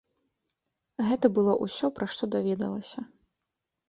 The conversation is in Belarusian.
Гэта было ўсё, пра што даведалася.